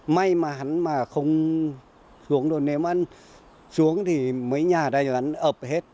may mà hắn mà không xuống được nếu mà xuống thì mấy nhà đây hắn ập hết